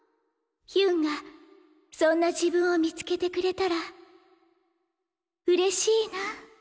ヒュンがそんな自分を見つけてくれたらうれしいな。